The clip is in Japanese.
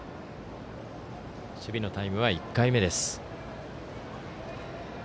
守備のタイムは１回目です。